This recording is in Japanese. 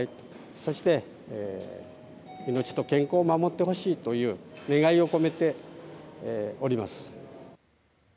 そして命と健康を守ってほしいという願いを込めております。